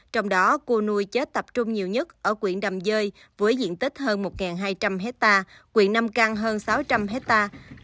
trong đó cua nuôi chết tập trung nhiều nhất ở quyện đầm dơi với diện tích hơn một hai trăm linh hectare quyện nam căng hơn sáu trăm linh hectare